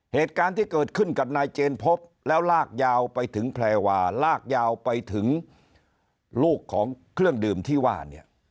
เหตุการณ์ที่เกิดขึ้นกับนายเจนพบแล้วลากยาวไปถึงแพรวาลากยาวไปถึงลูกของเครื่องดื่มที่ว่าเนี่ย